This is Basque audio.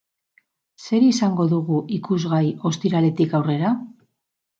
Zer izango dugu ikusgai ostiraletik aurrera?